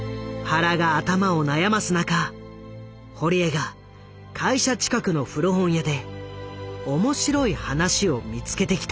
原が頭を悩ます中堀江が会社近くの古本屋で面白い話を見つけてきた。